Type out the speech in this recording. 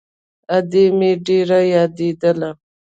ادې مې ډېره يادېدله.